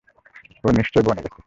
ও নিশ্চয়ই বনে গেছে।